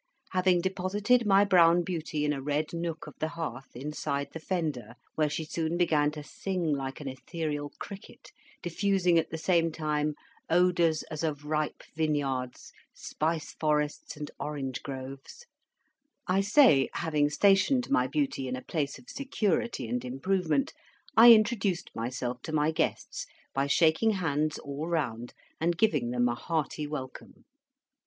Having deposited my brown beauty in a red nook of the hearth, inside the fender, where she soon began to sing like an ethereal cricket, diffusing at the same time odours as of ripe vineyards, spice forests, and orange groves, I say, having stationed my beauty in a place of security and improvement, I introduced myself to my guests by shaking hands all round, and giving them a hearty welcome.